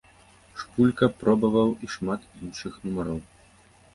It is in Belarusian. Шпулька пробаваў і шмат іншых нумароў.